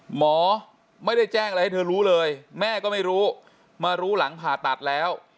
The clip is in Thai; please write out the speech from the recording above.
หมอไม่ได้แจ้งอะไรให้เธอรู้เลยแม่ก็ไม่รู้มารู้หลังผ่าตัดแล้ว